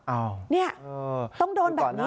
อ้าวต้องโดนแบบนี้หรือหรือ